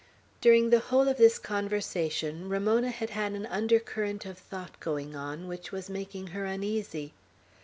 During the whole of this conversation Ramona had had an undercurrent of thought going on, which was making her uneasy.